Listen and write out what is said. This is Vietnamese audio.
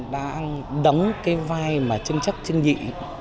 đã đóng cái vai mà chân chắc chân nhị